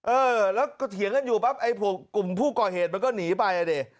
เออแล้วก็เถียงกันอยู่ปั๊บไอ้พวกกลุ่มผู้ก่อเหตุมันก็หนีไปอ่ะดิ